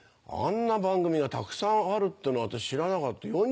あんな番組がたくさんあるってのは私知らなかった。